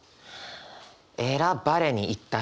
選ばれに行った人。